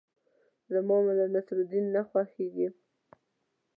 زه ملا نصرالدین نه یم.